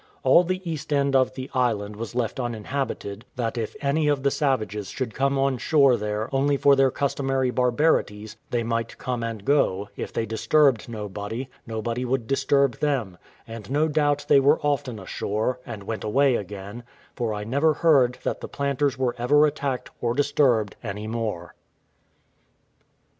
All the east end of the island was left uninhabited, that if any of the savages should come on shore there only for their customary barbarities, they might come and go; if they disturbed nobody, nobody would disturb them: and no doubt but they were often ashore, and went away again; for I never heard that the planters were ever attacked or disturbed any more.